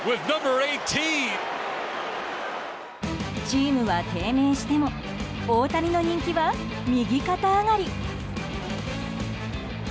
チームは低迷しても大谷の人気は右肩上がり。